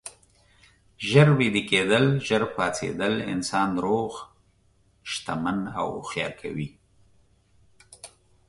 ژر ویده کیدل، ژر پاڅیدل انسان روغ، شتمن او هوښیار کوي.